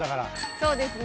そうですね。